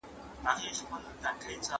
مورخ حقایق راسپړي.